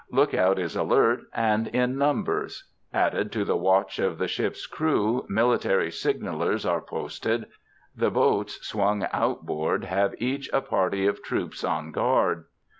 Look out is alert and in numbers. Added to the watch of the ship's crew, military signalers are posted; the boats swung outboard have each a party of troops on guard.